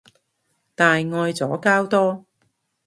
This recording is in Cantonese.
大愛左膠多